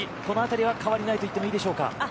この辺りは変わりないといってもいいでしょうか。